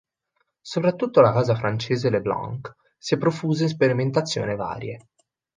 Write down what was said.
Soprattutto la casa francese Leblanc si è profusa in sperimentazioni varie.